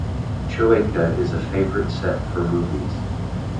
Chueca is a favorite set for movies.